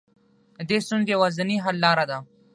د دې ستونزې يوازنۍ حل لاره ده.